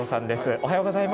おはようございます。